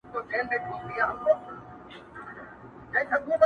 کوم انسان چي بل انسان په کاڼو ولي.